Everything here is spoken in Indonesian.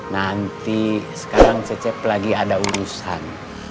nanti sekarang cecep lagi ada urusan